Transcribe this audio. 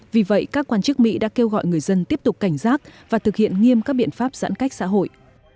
vì vậy các quan chức mỹ đã kêu gọi người dân tiếp tục cảnh giác và thực hiện nghiêm các biện pháp giãn cách xã hội